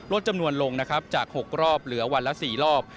ลดจำนวนลงจาก๖รอบเหลือวันละ๔รอบ